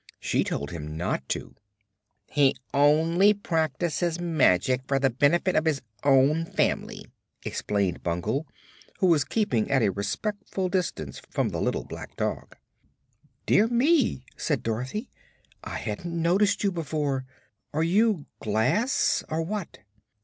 She told him not to." "He only practices magic for the benefit of his own family," explained Bungle, who was keeping at a respectful distance from the little black dog. "Dear me," said Dorothy; "I hadn't noticed you before. Are you glass, or what?"